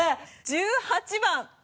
１８番。